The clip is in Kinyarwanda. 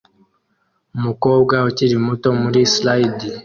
Umukobwa ukiri muto muri slide